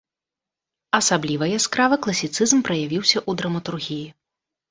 Асабліва яскрава класіцызм праявіўся ў драматургіі.